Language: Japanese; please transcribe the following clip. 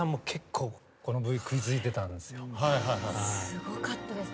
すごかったです。